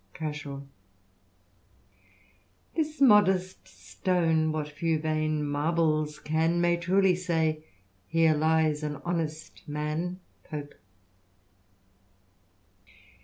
Crashaho " This modest stone, what few vain marbles can, May truly say, Here lies an honest man." PopK.